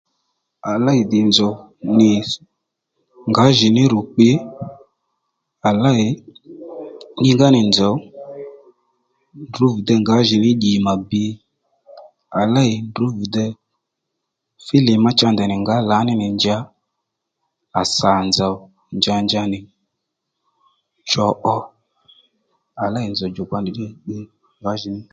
À lêy dhì nzòw nì ngǎjìní rù kpǐy à lêy ínga nì nzòw ndrǔ bìdey ngǎjìní dyì mà bǐ à lěy ndrǔ bì dey filim má ndèy nì ngǎjìní nì njǎ à sà nzòw njanja nì cho ó à lêy nzòw djùkpa nì bbiy ngǎjìní